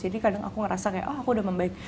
jadi kadang aku ngerasa kayak oh aku udah membaik